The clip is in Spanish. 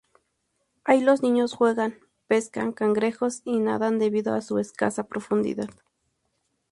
Allí los niños juegan, pescan cangrejos y nadan debido a su escasa profundidad.